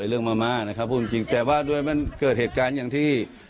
เรื่องมาม่านะครับพูดจริงแต่ว่าด้วยมันเกิดเหตุการณ์อย่างที่